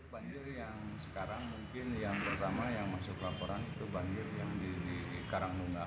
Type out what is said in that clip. banjir yang sekarang mungkin yang pertama yang masuk laporan itu banjir yang di karangnungan